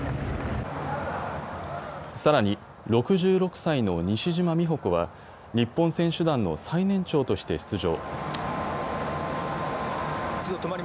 さらに６６歳の西島美保子は日本選手団の最年長として出場。